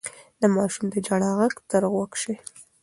د ماشوم د ژړا غږ ته غوږ شئ.